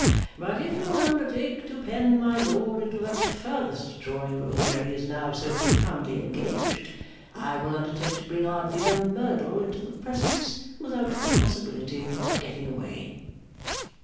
But if you will undertake to pen my lord into that furthest drawing room where he is now so profoundly engaged, I will undertake to bring our dear Merdle into the presence, without the possibility of getting away.